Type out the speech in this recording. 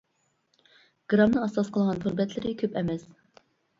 گىرامنى ئاساس قىلغان تور بەتلىرى كۆپ ئەمەس.